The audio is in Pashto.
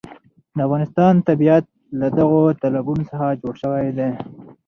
د افغانستان طبیعت له دغو تالابونو څخه جوړ شوی دی.